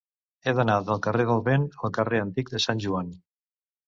He d'anar del carrer del Vent al carrer Antic de Sant Joan.